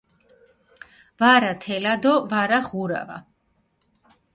ვარა თელა დო ვარა ღურავა